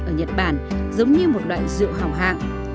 ở nhật bản giống như một loại rượu hào hạng